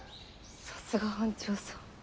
さすが班長さん。